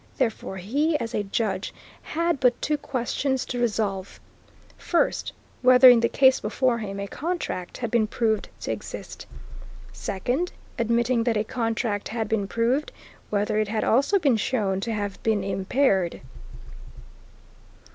Therefore he, as a judge, had but two questions to resolve: First, whether, in the case before him, a contract had been proved to exist. Second, admitting that a contract had been proved, whether it had also been shown to have been impaired.